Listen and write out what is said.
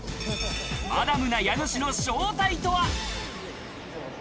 マダムな家主の正体とは？